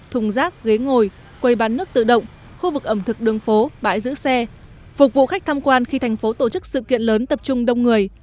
thùng rác ghế ngồi quầy bán nước tự động khu vực ẩm thực đường phố bãi giữ xe phục vụ khách tham quan khi thành phố tổ chức sự kiện lớn tập trung đông người